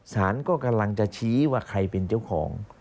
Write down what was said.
สารก็กำลังจะชี้ว่าใครเป็นเจ้าของ